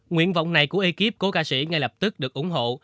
nguyện vọng này của ekip của ca sĩ ngay lập tức được ủng hộ